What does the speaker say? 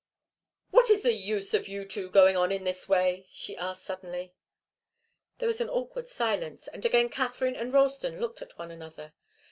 "What is the use of you two going on in this way?" she asked suddenly. There was an awkward silence, and again Katharine and Ralston looked at one another.